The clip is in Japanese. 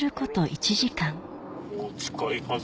もう近いはず。